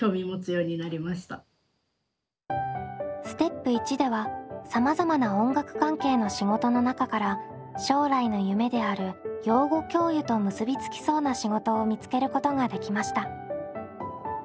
ステップ①ではさまざまな音楽関係の仕事の中から将来の夢である養護教諭と結びつきそうな仕事を見つけることができました。